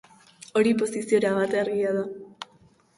Hori posizio erabat argia da.